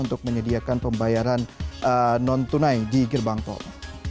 untuk menyediakan pembayaran non tunai di gerbang tol